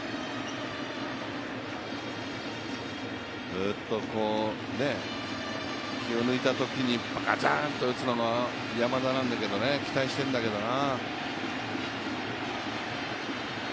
ふっと気を抜いたときに、ガツンと打つのも山田なんだけど期待してるんだけどな。